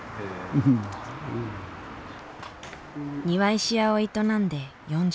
庭石屋を営んで４０年。